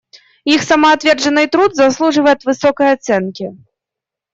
Их самоотверженный труд заслуживает высокой оценки.